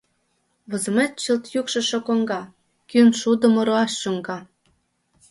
Возымет чылт йӱкшышӧ коҥга, кӱын шудымо руаш чуҥга.